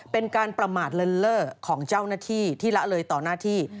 เป็นการประมาทเลินเล่อของเจ้าหน้าที่ที่ละเลยต่อหน้าที่